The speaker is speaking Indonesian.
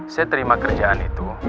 saya terima kerjaan itu